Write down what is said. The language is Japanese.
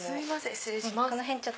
失礼します。